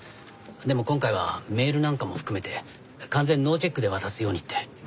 でも今回はメールなんかも含めて完全ノーチェックで渡すようにって。